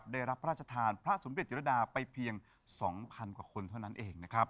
ได้รับพระราชทานพระสมเด็จจิรดาไปเพียง๒๐๐๐กว่าคนเท่านั้นเองนะครับ